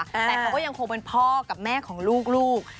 แต่เขาก็ยังคงเป็นพ่อกับแม่ของลูก